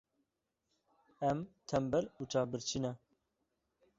Em tembel û çavbirçî ne.